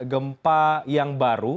gempa yang baru